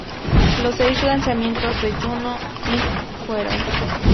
Los seis lanzamientos de Juno I fueron